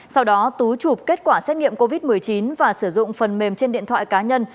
sau đó tú chụp kết quả xét nghiệm covid một mươi chín và sử dụng phần mềm trên điện thoại cá nhân